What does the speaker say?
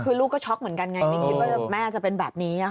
คือลูกก็ช็อกเหมือนกันไงไม่คิดว่าแม่จะเป็นแบบนี้